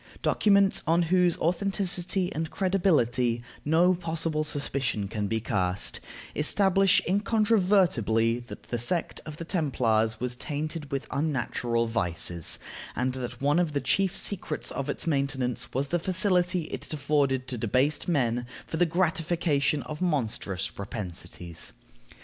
Documents on whose authenticity and credibility no possible suspicion can be cast, establish incontrovertibly that the sect of the Templars was tainted with unnatural vices, and that one of the chief secrets of its maintenance was the facility it afforded to debased men for the gratification of monstrous propensities.